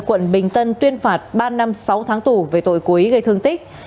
quận bình tân tuyên phạt ba năm sáu tháng tù về tội cố ý gây thương tích